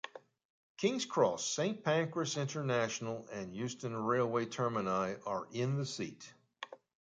King's Cross, Saint Pancras International and Euston railway termini are in the seat.